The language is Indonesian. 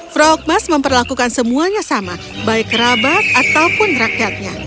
frogmas memperlakukan semuanya sama baik kerabat ataupun rakyatnya